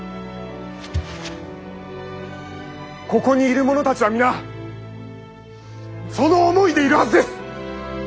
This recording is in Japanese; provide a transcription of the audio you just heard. ここにいる者たちは皆その思いでいるはずです！